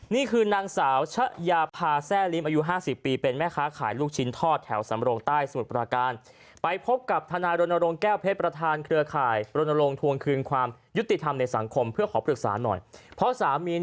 นี่คือนางสาวชะยาภาแทรริมอายุ๕๐ปี